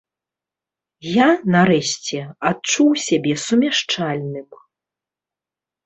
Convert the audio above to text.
Я, нарэшце, адчуў сябе сумяшчальным.